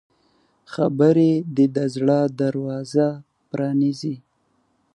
خبرې د زړه دروازه پرانیزي